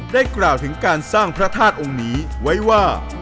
ได้กล่าวถึงการสร้างพระธาตุองภไว้ว่า